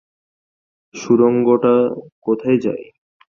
সুড়ঙ্গটা কোথায় যায়?